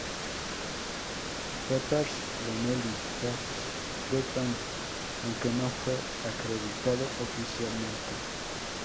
Pepper's Lonely Hearts Club Band", aunque no fue acreditado oficialmente.